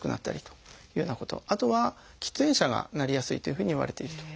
あとは喫煙者がなりやすいというふうにいわれていると。